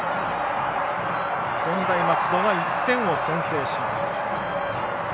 専大松戸が１点を先制します。